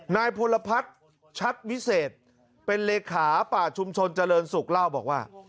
นายพลพัฒน์ชัดวิเศษเป็นเลขาป่าชุมชนเจริญศุกร์เล่าบอกว่า